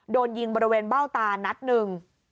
โดนยิงบริเวณเบ้าตานัดหนึ่ง